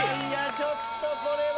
ちょっとこれは！